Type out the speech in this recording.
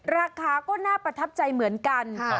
ราคาก็น่าประทับใจเหมือนกัน